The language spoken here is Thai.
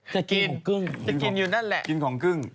จะกินอยู่นั่นแหละกินของกึ้ง